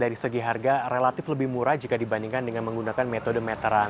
dari segi harga relatif lebih murah jika dibandingkan dengan menggunakan metode meteran